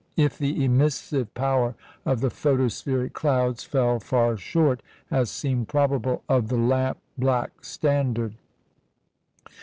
if the emissive power of the photospheric clouds fell far short (as seemed probable) of the lamp black standard.